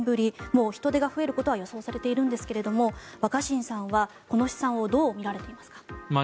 もう人出が増えることは予想されているんですが若新さんは、この試算をどう見られていますか？